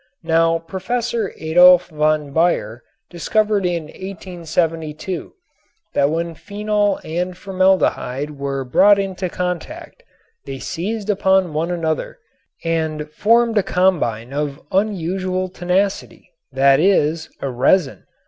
Now Prof. Adolf von Baeyer discovered in 1872 that when phenol and formaldehyde were brought into contact they seized upon one another and formed a combine of unusual tenacity, that is, a resin.